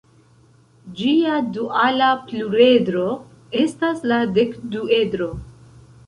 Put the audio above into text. Ĝia duala pluredro estas la dekduedro.